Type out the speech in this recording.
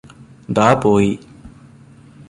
ദാ പോയി